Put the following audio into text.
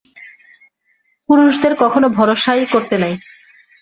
পুরুষদের কখনো ভরসাই করতে নেই।